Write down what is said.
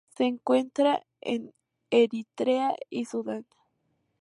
Se encuentra en Eritrea y Sudán.